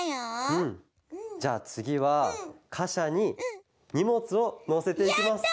じゃあつぎはかしゃににもつをのせていきます。